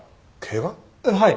はい。